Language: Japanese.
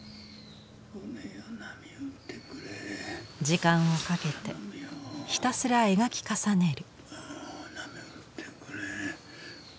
時間をかけてひたすら描き重ねる。